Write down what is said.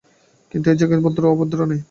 কিন্তু এ জায়গায় ভদ্রও নেই অভদ্রও নেই।